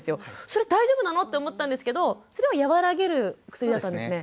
それ大丈夫なのって思ったんですけどそれは和らげる薬だったんですね。